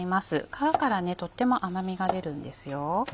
皮からとても甘みが出るんですよ。